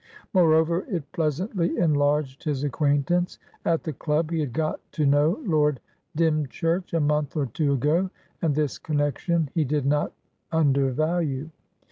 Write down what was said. Moreover, it pleasantly enlarged his acquaintance. At the club he had got to know Lord Dymchurch, a month or two ago, and this connection he did not undervalue.